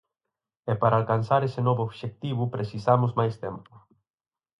E para alcanzar ese novo obxectivo precisamos máis tempo.